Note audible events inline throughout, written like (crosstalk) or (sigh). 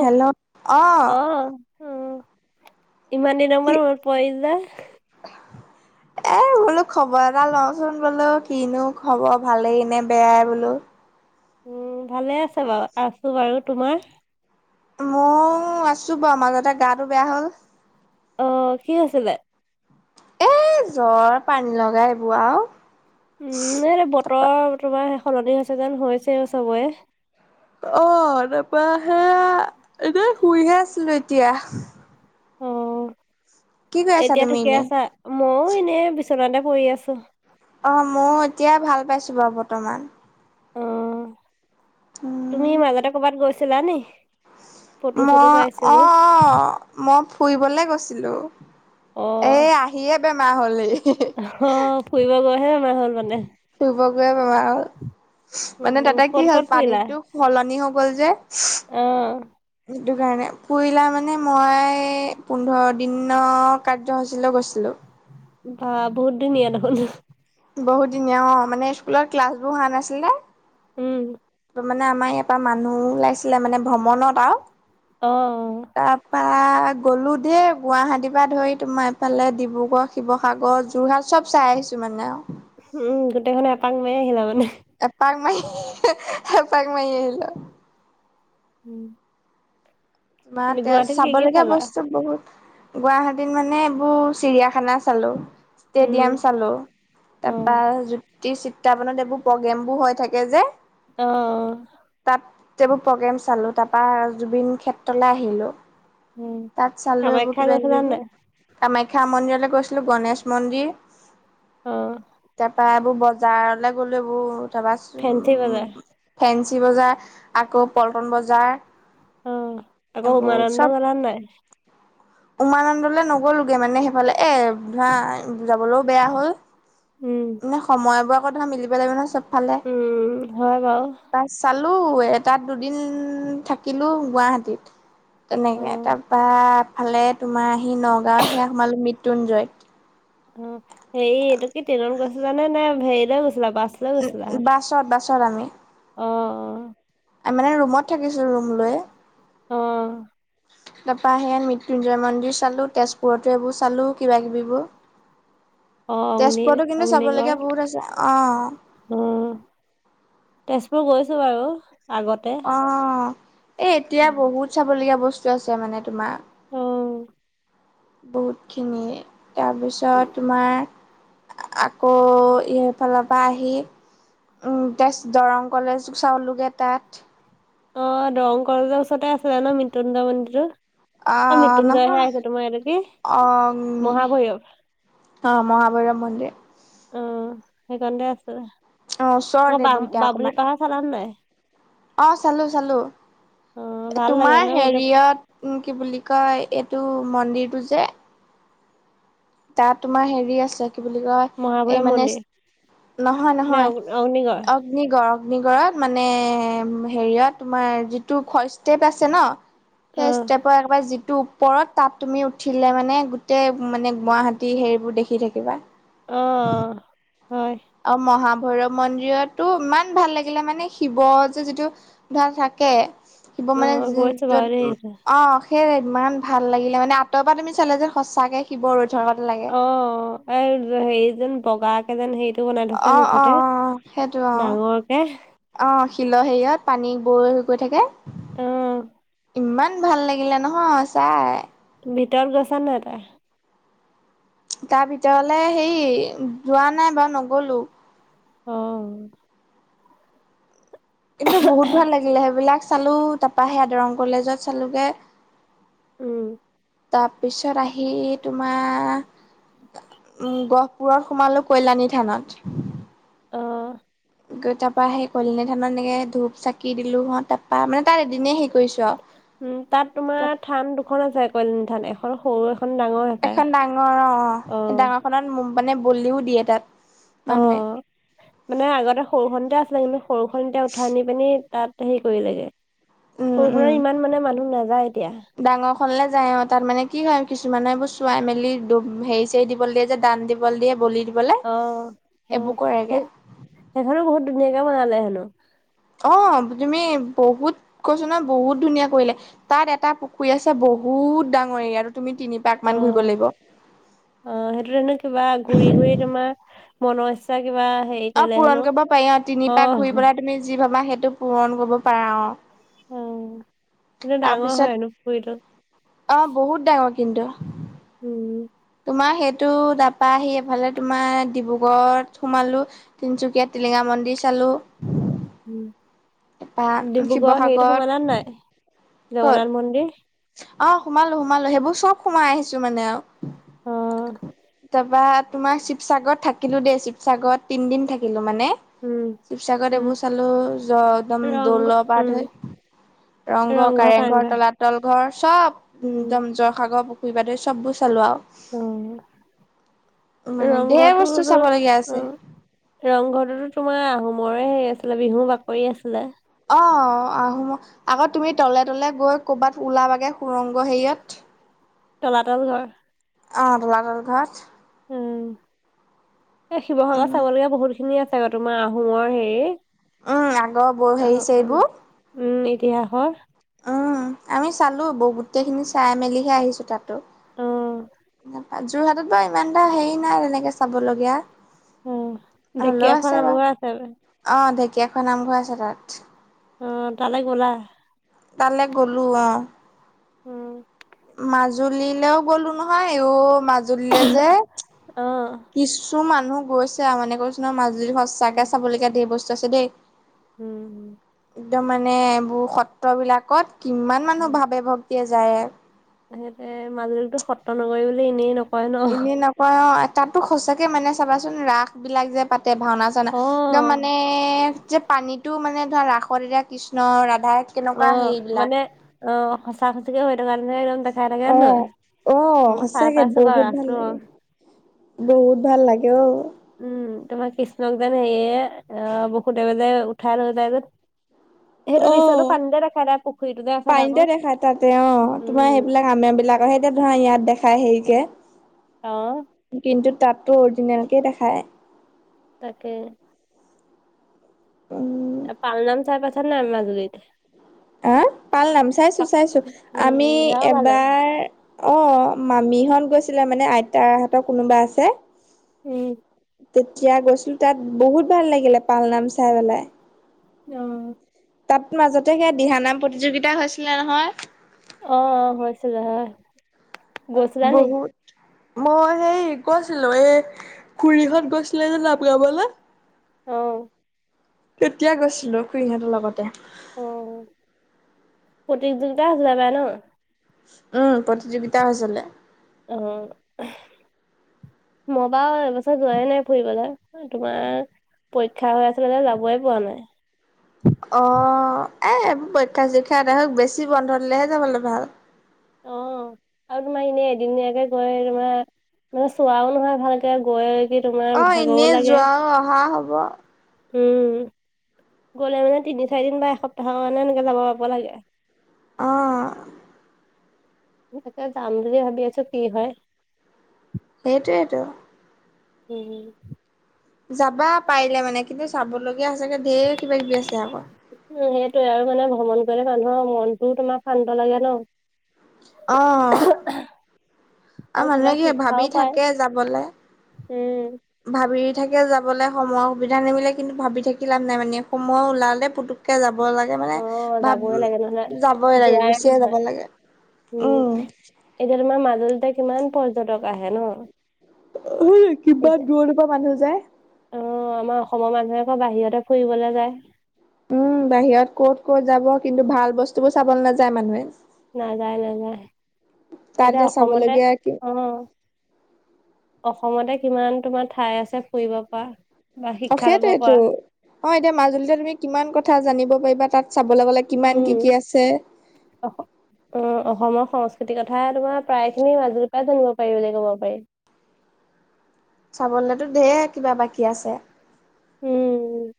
Hello, অ, উম ইমান দিনৰ কি মূৰত মনত পৰিল নে। (inaudible) এ বোলো খবৰ এটা লওঁচোন বোলো কিনো খবৰ ভালেই নে বেয়াই বোলো। উম ভালে আছে বাউ আছো বাৰু তোমাৰ। ময়ো আছো বাউ মাজতে গাটো বেয়া হ'ল। অ কি হৈছিলে। এ জ্বৰ পানী লগাই এইবোৰৰ আও, উম এই বতৰ তোমাৰ সেই সলনি হৈছে যেন হৈছে চবৰে। অ তাৰাপা হে এনেই শুইহে আছিলো এতিয়া। অ কি কৰি আছা এতিয়া তুমি ঠিকে এনে আছা মইও এনে বিশনাতে পৰি আছো। অ মোৰ এতিয়াই ভাল পাইছো বাউ বৰ্তমান। অ তুমি উম মাজতে কৰ'বাত গৈছিলা নি। ফটো চটো মই অ পাইছিলো অ মই ফুৰিবলৈ গৈছিলোঁ। অ আহিয়ে বেমাৰ হ'ল হি, অ ফুৰিব গৈহে বেমাৰ হ'ল মানে। ফুৰিব গৈয়ে বেমা হ'ল। মানে উম তাতে কি ক'ত হ'ল ক'ত ফুৰিলা পানীতটো সলনি হৈ গ'ল যে। অ সেইটো কাৰণে ফুৰিলা মানে মই পোন্ধৰ দিনৰ কাৰ্যসূচীলৈ গৈছিলোঁ। বা বহুত দিনীয়া দেখোঁন। বহুত দিনীয়া অ মানে স্কুলত ক্লাছ বোৰ হোৱা নাছিলে। উম, মানে আমাৰ ইয়াৰ পৰা মানুহ ওলাইছিলে মানে ভ্ৰমণত আও, অ অ, তাৰপা গ'লো দেই গুৱাহাটীৰ পা ধৰি তোমাৰ এইফালে ডিব্ৰুগড়, শিৱসাগৰ যোৰহাট চব চাই আহিছোঁ মানে আও, উম গোটেইখনে এপাক মাৰি আহিলা মানে। এপাক মাৰি হে এপাক মাৰি আহিলো। উম, তোমাৰ এয়া গুৱাহাটীত কি চাব কি লগীয়া চালা? বস্তু বহুত। গুৱাহাটীত মানে এইবোৰ চিৰিয়াখানা চালো। উম, ষ্টেডিয়াম চালো তাৰপা অ', যি চিত্ৰাৱনত এইবোৰ প্ৰগ্ৰেম বোৰ হৈ থাকে যে। অ অ, তাত এইবোৰ প্ৰগ্ৰেম চালো তাৰ পা জুবিন ক্ষেত্ৰলে আহিলো। উম, তাত চালো এইবো কামাখ্যা কিবা গৈছিলা কিবিবোৰ। নাই? কামাখ্যা মন্দিৰলৈ গৈছিলো গণেশ মন্দিৰ তা, অ', তা পৰা এইবোৰ বজাৰলৈ গ'লো এইবোৰ তাপা ফেঞ্চি বজাৰ চত, ফেঞ্চি বজাৰ আকৌ পল্টন বজাৰ। অ আকৌ এইবোৰ উমানন্দ চব গ'লা নাই। উমানন্দলৈ নগ'লোগৈ মানে সেইফালে এ ধৰা যাবলৈও বেয়া হ'ল। উম, মানে সময়বোৰক ধৰা মিলিব লাগিব নহয় চবফালে। উম, হয় বাৰু। প চালো এটাত দুদিন থাকিলো গুৱাহাটীত। তেনেকে অ', তাৰপা এফালে তোমাৰ আহি নগাঁৱত সেয়া সোমালো মৃত্যুঞ্জয়। অ হেৰি এইটো কি ট্ৰেইনত গৈছিলানে নে হেৰিলৈ গৈছিলা বাছ, লৈ গৈছিলা? উম বাছত বাছত আমি। অ মানে ৰুমত থাকিছো ৰুম লৈ। অ। তাৰ পৰা সেন মৃত্যুঞ্জয় মন্দিৰ চালো তেজপুৰতো এইবোৰ চালো কিবা কিবিবোৰ। অ', অগ্নি তেজপুৰতো কিন্তু চাবলগীয়া বহুত আছে অ। উম তেজপুৰ গৈছো বাৰু আগত। অ এ এতিয়া বহুত চাবলগীয়া বস্তু আছে মানে তোমাৰ। অ। বহুতখিনি তাৰপিছত তোমাৰ। আকৌ এইফালৰ পৰা আহি। তেজ দৰং কলেজ চাওলোগে তাত। অ দৰং কলেজৰ ওচৰতে আছিলে ন মৃত্যুঞ্জয় মন্দিৰতো। অ মৃত্যুঞ্জয়হে আহিছে তোমাৰ ইটো কি অ মহাভৈয়ৱ। অ মহাভৈৰৱ মন্দিৰ। উম সেইকণতে আছে অ আকৌ ওচৰতে বাম দুইটা বামুনী অকমান পাহাৰ চালা নে নাই। অ চালো চালো অ ভাল লাগে তোমাৰ ন গোটেই হেৰিয়ত। উম কি বুলি কয় এইটো মন্দিৰটো যে। তাত তোমাৰ হেৰি আছে কি বুলি কয়। এই মহাভৈৰৱ মানে মন্দিৰ নহয় নে নহয় অগ্নিগড় অ অগ্নিগড় অগ্নিগড়ত মানে হেৰিয়ত তোমাৰ যিটো খচতেপ আছে ন। অ সেই ষ্টেপৰ একবাৰ যিটো ওপৰত তাত তুমি উঠিলে মানে গোটেই মানে গুৱাহাটী হেৰিবোৰ দেখি থাকিবা অ হয় অ মহাভৈৰৱ মন্দিৰতো ইমান ভাল লাগিলে মানে শিৱ যে যিটো। ধাৰা থাকে শিৱ অ মানে গৈছো বাৰু দেই য'ত সেইটো। অ সে ইমান ভাল লাগিলে মানে আঁতৰ পৰা তুমি চালা যে সঁচাকে শিৱ ৰৈ থকা কতে লাগে। অ এই হেৰি যেন বগা। কে যেন হেৰিটো বনাই থৈছে অ অ অ মুখতে সেইটো অ ডাঙৰকে। অ শিলৰ হেৰিয়ত পানী বৈ গৈ থাকে। অ ইমান ভাল লাগিলে নহয় চাই ভিতৰত গৈছা নাই তই তাৰ ভিতৰলে সেই যোৱা নাই বাৰু নগলো অ কিন্তু বহুত ভাল লাগিলে সেইবিলাক চালো তাপা সেয়া দৰং কলেজত চালোগে উম তাৰপিছত আহি তোমাৰ উম গহপুৰত সোমালো কল্যাণী থানত অ গৈ তাপা সেই কল্যানী থানত এনেকৈ ধূপ চাকি দিলোঁ হত তাপা মানে তাত এদিনেই সেই কৰিছোঁ আও উম তাত তোমাৰ থান দুখন আছে কল্যানি থান এখন সৰু এখন ডাঙৰ হপায় এখন ডাঙৰ অ অ সেই ডাঙৰ খনত মানে বলিও দিয়ে তাত অ মানুহে মানে আগতে সৰুখনতে আছিলে কিন্তু সৰুখনতে উঠাই আনি পিনি তাত হেৰি কৰি লাগে উম উম সৰুখনত ইমান মানে মানুহ নাযায় এতিয়া ডাঙৰ খনলে যায় অ তাত মানে কি হয় কিছুমানে এইবোৰ চোৱাই মেলি হেৰি চৰি দিব লে দিয়ে যে দান দিব লে দিয়ে বলি দিবলে অ এইবোৰ সেই কৰেগে সেইখনো বহুত ধুনীয়াকে বনালে হেনো অ তুমি বহুত কৈছো নহয় বহুত ধুনীয়া কৰিলে। তাত এটা পুখুৰী আছে বহুত ডাঙৰ এৰিয়াটো তুমি তিনি পাক মান ঘুৰিব অ', লাগিব। অ সেইটো নো কিবা ঘুৰি ঘুৰি তোমা- মনৰ ইচ্ছা কিবা সেই অ পূৰণ কৰিব পাৰি অ তিনি পাক ঘূৰি পেলাই তুমি যি ভাবা সেইটো পূৰণ কৰিব পাৰা অ। অ কিন্তু ডাঙৰ তাৰপিছত হয় হেনো পুখুৰীটো। অ বহুত ডাঙৰ কিন্তু। উম। তোমাৰ সেইটো তাপা আহি এফালে তোমাৰ ডিব্ৰুগড়ত সোমালোঁ। তিনচুকীয়াত টিলিঙা মন্দিৰ চালো। তাৰপা উ ডিব্ৰুগড় হেৰিতো শিৱসাগৰত সোমালাত নাই ক'ত জগন্নাথ মন্দিৰ। অ সোমালো সোমালো সেইবোৰ চব সোমাই আহিছো মানে আও। অ। তাপা তোমাৰ শিৱসাগৰত থাকিলো দেই শিৱসাগৰত তিনদিন থাকিলো মানে। উম, শিৱসাগৰত উম, এইবোৰ চালো য একদম দৌল ৰংঘৰ পা উম, ধই। ৰংঘ কাৰেংঘৰ তলাতল ঘৰ চব উম, একদম জৰসাগৰ পুখুৰী বাদৰি চববোৰ চালো আও। অ', মানে ঢেৰ বস্তু ৰংঘৰটোত চাব লগীয়া আছে। উম, ৰংঘৰটোতো তোমাৰ আহোমৰে হেৰি আছিলে বিহু বাকৰি আছিলে। অ আহোম আগত তুমি তলে তলে গৈ কৰ'বাত ওলাবাগে সুৰংগ হেৰিয়ত। তলাতল ঘৰ। অ তলাতল ঘৰত। উম এ শিৱসাগৰত উম চাবলগীয়া বহুত খিনি আছে ক তোমাৰ আহোমৰ হেৰি। উম আগৰ ব হেৰি অ', ছেৰিবোৰ। অ'। উম ইতিহাসৰ উম আমি চালো ব গোটেইখিনি চাই মেলিহে আহিছো তাতো। অ', যোৰহাটত বাৰু ইমান এটা হেৰি নাই তেনেকে চাবলগীয়া। উম হ'লেও ঢেকীয়াখোৱা আছে নাম বাৰু। ঘৰ আছে। অ ঢেঁকীয়াখোৱা নামঘৰ আছে তাত। অ তালে গ'লা? তালে গ'লো অ। উম। মাজুলীলৈও গ'লো নহয় ইও মাজুলীলে যে অ। কিছু মানুহ গৈছে মানে কৈছো ন মাজুলী সচাকে উম, চাবলগীয়া ধেৰ বস্তু আছে দেই। উম। একদম মানে এইবোৰ সত্ৰ বিলাকত কিমান মানুহ ভাবে ভক্তিয়ে যায়। তেনেতে মাজুলীতো সত্ৰ নগৰী বুলি এনেই ন- নকয় এনে নকয় অ তাতো সঁচাকে মানে চাবাচোন ৰাসবিলাক যে পাতে ভাওনা চনা একদম মানে অ', যে পানীটো মানে ধৰা ৰাসদতা কৃষ্ণ-ৰাধা অ মানে অ সঁচা সচিকে হয় থকাৰ নিচিনাকে একদম দেখ- খাই থাগে অ হয় নয়, অ মই চাই সঁচাকে পাইছো বাৰু বহুত ভাল ৰাসটো। লাগে বহুত ভাল লাগে অ। উম তোমাৰ কৃষ্ণক যেন সেয়ে অ বসুদেৱ যে উঠাই লৈ যে। সেইটো অ, দৃশ্যটো পানীতে দেখা যায় পুখুৰীটো যে আছে পানীতে ডাঙৰ দেখাই তাতে অ তোমাৰ উম সেইবিলাক আমে বিলাক সেইতে ধৰা ইয়াত দেখাই হেৰিকে। অ। কিন্তু তাতো অৰিজিনেলকে দেখায়। তাকে। উম তা পা, আলনাম চাই পাইছা নাই মাজুলীত? আ! পাল নাম চাইছোঁ চাইছোঁ। উম আমি সেয়াও ভাল লাগে এবাৰ অ মামীহত গৈছিলে মানে আইতাৰ হতৰ কোনোবা আছে। উম। তেতিয়া গৈছিলো তাত বহুত ভাল লাগিলে পালনাম চাই পেলায়। অঁ। তাত মাজতে সে দিহানাম প্ৰতিযোগিতা হৈছিলে নহয়? অঁ অঁ হৈছিলে হয়। গৈছিলা নি বহুত মই সেই গৈছিলো এই খুৰীহত গৈছিলে যে জাপ গাবলে অঁ। তেতিয়া গৈছিলো খুৰীহঁতৰ লগতে। অ, প্ৰতিযোগিতা যাবা ন? উম প্ৰতিযোগিতা হৈছিলে। অঁ। মই বাৰু এবছৰ যোৱাই নাই ফুৰিবলে তোমাৰ পৰীক্ষা হৈ আছিলে যে যাবই পোৱা নাই। অঁ এ পৰীক্ষা - চৰীক্ষা এটা হক বেছি বন্ধ দিলেহে যাবলৈ ভাল। অ উ (inaudible) আৰু তোমাৰ এনেই এদিনীয়াকে গৈ তোমাৰ মানে চোৱাও নহয় ভালকে গৈ যি অ তোমাৰ ভাগৰও এনেই লাগে। যোৱাও অহা হ'ব উম, গ'লে মানে তিনি - চাৰিদিন বা এসপ্তাহৰ কাৰণে এনেকে যাব পাব লাগে। অঁহ। তাকে যাম বুলি ভাবি আছো কি হয়। সেইটোৱেইেতো। হুম। যাবা পাৰিলে মানে কিন্তু চাবলগীয়া হৈছে চাগে ধেৰ কিবা - কিবি আছে আকৌ। উম সেইটোয়ে আৰু মানে ভ্ৰমণ কৰিলে মানুহৰ মনটোও তোমাৰ শান্ত লাগে ন? অ আৰু আৰু কিবা মানুহে কি শিক্ষাও ভাবি পায় থাকে যাবলে উম। ভাবি থাকে যাবলে, সময়ৰ সুবিধা নিমিলে কিন্তু ভাবি থাকি লাভ নাই মানে সময় ওলালে পুতু কে যাব লা তে মানে অ ভাব যাবই লাগে নহলে যাবই লাগে, যোৱাই গুচিয়ে যাব নহয় লাগে উম। এতিয়া তোমাৰ মাজুলীতে কিমান পৰ্যটক আহে ন? কিমান এতিয়া দূৰৰ পৰা মানুহ যায়। অ আমাৰ অসমৰ মানুহে আকৌ বাহিৰতে ফুৰিবলৈ যায়। উম বাহিৰত ক'ত ক'ত যাব কিন্তু ভাল বস্তু বোৰ চাবলৈ নাযায় মানুহে। নাযায় নাযায় তাত এতিয়া অসমতে চাবলগীয়া কি অঁ। অসমতে কিমান তোমাৰ ঠাই আছে ফুৰিব পৰা। বা অঁ শিক্ষা ল'ব সেইটোইটো। পৰা অ এতিয়া মাজুলীতে তুমি কিমান কথা জানিব পাৰিবা তাত চাবলৈ গলে কিমান কি কি আছে। অঁহ। অঁ অসমৰ সংস্কৃতিৰ কথাই তোমাৰ প্ৰায় খিনি মাজুলীৰ পৰা জানিব পাৰি বুলি কব পাৰি। চাবলেতো ধঢেৰ কিবা বাকী আছে। উ'ম।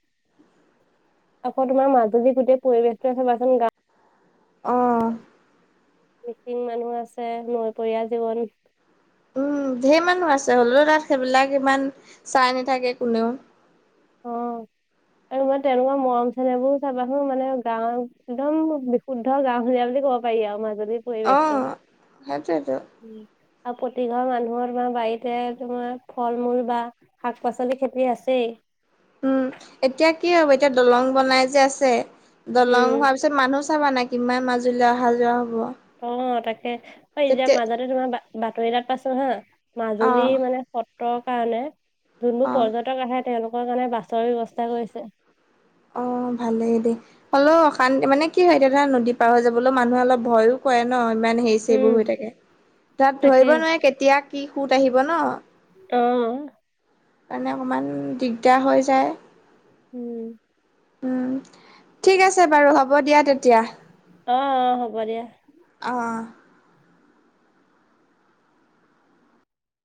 আকৌ তোমাৰ মাজুল যদি গোটেই পৰিবেশতটো আছে চাবাচোন গাঁৱ অঁহ। মিচিং মানুহ আছে নৈপৰীয়া জীৱন। উম ধেৰ মানুহ আছে হলেও তাত সেইবিলাক ইমান চাই নাথাকে কোনেও। অঁ আৰু মই তেনেকুৱা মৰম চেনেহবোৰ চাবাচোন মানে গাঁৱত একদম শুদ্ধ গাওহূলীয়া বুলি ক'ব পাৰি আৰু মাজুলীৰ অ পৰিৱেশটো। সেইটোৱেইটো আৰু প্ৰতি ঘৰ মানুহৰ বা বাৰীতে তোমাৰ ফল মূল বা শাক পাচলি খেতি আছেই। উম এতিয়া কি হ'ব এতিয়া দলং বনাই যে আছে দলং উম হোৱাৰ পিছত মানুহ চাবা না কিমান মাজুলীলে অহা যোৱা হ'ব। অ তাকে ঐ এতিয়া তেতিয়া মাজতে তোমাৰ বা বাতৰি এটাত পাইছো হা অ মাজুলী মানে সত্ৰৰ কাৰণে যোনবোৰ অ পৰ্যটক আহে তেওঁলোক ৰ কাৰণে বাছৰ ব্যৱস্থা কৰিছে। অ ভালে দেই হলেও অশান্তি মানে কি হয় এতিয়া ধৰা নদী পাৰ হৈ যাবলৈও মানুহে অলপ ভয়ো কৰে ন ইমান হেৰি চেইবোৰ হৈ উম থাকে তাত তাকে ধৰিব নোৱাৰে কে তিয়া কি সুঁত আহিব ন। অ সেকাৰণে অকণমান দিগদাৰ হৈ যায়। উম। উম ঠিক আছে বাৰু হ'ব দিয়া তেতিয়া অ হ'ব দিয়া। অহ অ